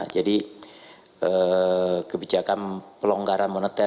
jadi kebijakan pelonggaran moneter